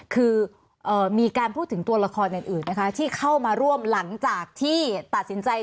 คือมีการพูดถึงตัวละครอื่นนะคะที่เข้ามาร่วมหลังจากที่ตัดสินใจ